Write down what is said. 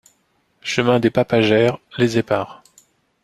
Chemin des Papagères, Les Éparres